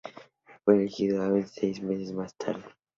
Fue elegido abad seis meses más tarde.